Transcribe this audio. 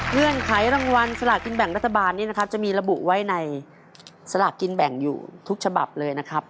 เงื่อนไขรางวัลสลากกินแบ่งรัฐบาลนี้นะครับจะมีระบุไว้ในสลากกินแบ่งอยู่ทุกฉบับเลยนะครับ